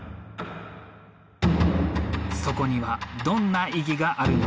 そこにはどんな意義があるのか。